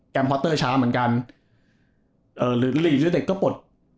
พอเตอร์ช้าเหมือนกันเอ่อหรือหลีกหรือเด็กก็ปลด